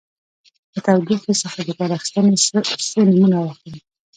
له تودوخې څخه د کار اخیستنې څو نومونه واخلئ.